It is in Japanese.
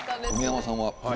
冨山さんは。